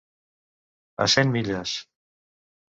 A cent milles.